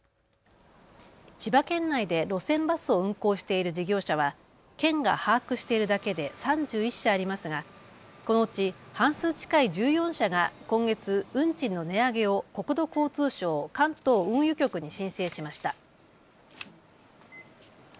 千葉県内で路線バスを運行している事業者は県が把握しているだけで３１社ありますがこのうち半数近い１４社が今月、運賃の値上げを国土交通省関東運輸局に申請しました。